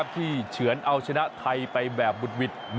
ที่เฉือนเอาชนะไทยไปแบบบุตุวิท